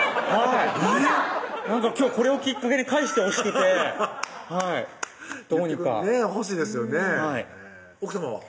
今日これをきっかけに返してほしくてはいどうにかねぇ欲しいですよね奥さまは？